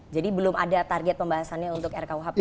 jadi belum ada target pembahasannya untuk rkuhp